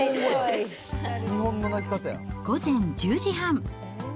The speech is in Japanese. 午前１０時半。